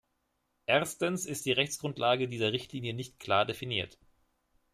Erstens ist die Rechtsgrundlage dieser Richtlinie nicht klar definiert.